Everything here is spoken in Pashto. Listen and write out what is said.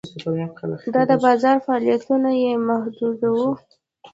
دا د بازار فعالیتونه یې محدوداوه.